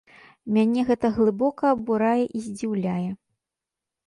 Мяне гэта глыбока абурае і здзіўляе.